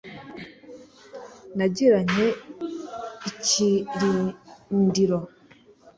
Narigiranye ikirindiro